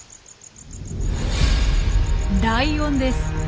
ライオンです。